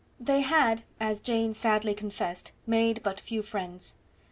They had, as Jane sadly confessed, made but few friends.